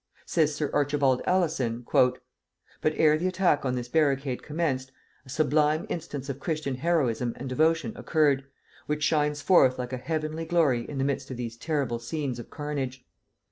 Says Sir Archibald Alison, "But ere the attack on this barricade commenced, a sublime instance of Christian heroism and devotion occurred, which shines forth like a heavenly glory in the midst of these terrible scenes of carnage.